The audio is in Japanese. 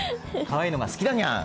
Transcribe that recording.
かわいいのが好きだにゃん！